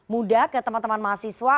muda ke teman teman mahasiswa